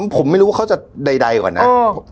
ผมไม่รู้ว่าเขาจะใดก่อนนะ